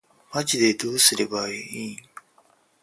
マジでどうすればいいん